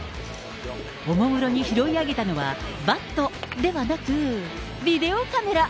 おもむろに拾い上げたのは、バットではなく、ビデオカメラ。